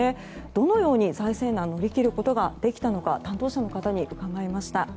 どのように財政難を乗り切ることができたのか担当者の方に伺いました。